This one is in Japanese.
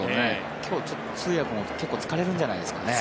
今日は通訳も結構疲れるんじゃないですかね。